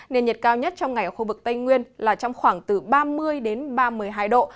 nền nhiệt cao nhất trong ngày ở khu vực tây nguyên là trong khoảng từ ba mươi đến ba mươi hai độ